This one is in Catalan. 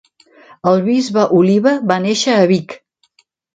El bisbe Oliba va néixer a Vic